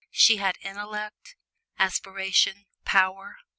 She had intellect, aspiration, power.